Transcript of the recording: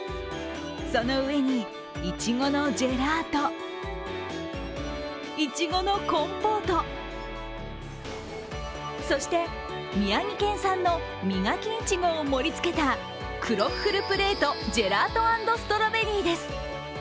その上にいちごのジェラート、いちごのコンポート、そして宮城県産のミガキイチゴを盛りつけたクロッフルプレートジェラート＆ストロベリーです。